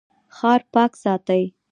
ښار پاک ساتئ